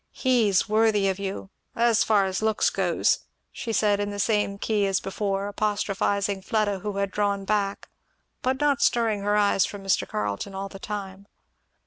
"He's worthy of you! as far as looks goes," she said in the same key as before, apostrophizing Fleda who had drawn back, but not stirring her eyes from Mr. Carleton all the time.